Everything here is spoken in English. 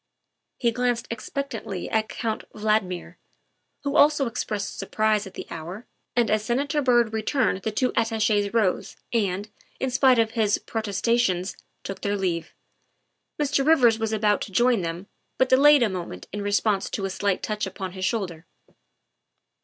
He glanced expectantly at Count Valdmir, who also expressed surprise at the hour, and as Senator Byrd re turned the two Attaches rose and, in spite of his protes tations, took their leave. Mr. Rivers was about to join them, but delayed a moment in response to a slight touch upon his shoulder.